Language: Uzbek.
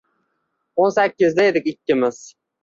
O’n sakkizda edik ikkimiz